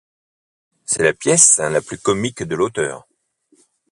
C’est la pièce la plus comique de l’auteur.